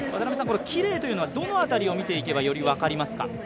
きれいというのは、どの辺りを見ていけば、より分かりますか？